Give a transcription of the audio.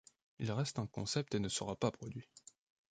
Il reste un concept et ne sera pas produit.